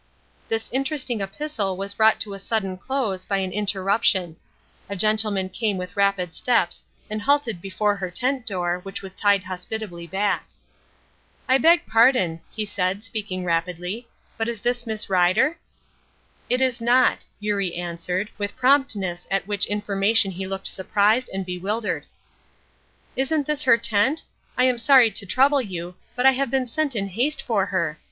This interesting epistle was brought to a sudden close by an interruption. A gentleman came with rapid steps, and halted before her tent door, which was tied hospitably back. "I beg pardon," he said, speaking rapidly, "but this is Miss Rider?" "It is not," Eurie answered, with promptness at which information he looked surprised and bewildered. "Isn't this her tent? I am sorry to trouble you, but I have been sent in haste for her.